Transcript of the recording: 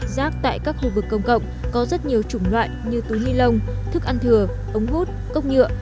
rác tại các khu vực công cộng có rất nhiều chủng loại như túi ly lông thức ăn thừa ống hút cốc nhựa